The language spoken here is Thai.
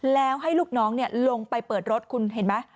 แล้วให้ลูกน้องลงไปเปิดรถคุณเห็นไหม